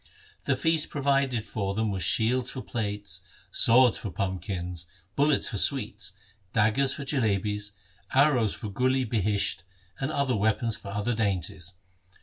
The feast provided for them was shields for plates, swords for pumpkins, bullets for sweets, daggers for jalebis, arrows for gul i bihisht, 1 and other weapons for other dainties.